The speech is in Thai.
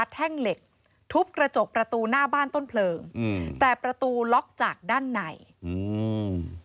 แท่งเหล็กทุบกระจกประตูหน้าบ้านต้นเพลิงอืมแต่ประตูล็อกจากด้านในอืม